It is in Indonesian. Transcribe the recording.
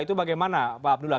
itu bagaimana pak abdullah